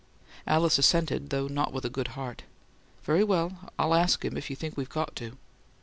Alice assented, though not with a good heart. "Very well, I'll ask him, if you think we've got to."